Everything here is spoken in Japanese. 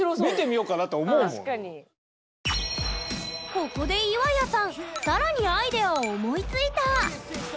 ここで岩谷さん更にアイデアを思いついた！